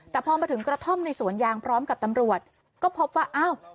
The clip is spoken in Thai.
แต่พอมาถึงกระท่อมในสวนยางพร้อมกับตำรวจก็พบว่าอ้าว